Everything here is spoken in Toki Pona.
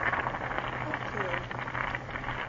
o pu.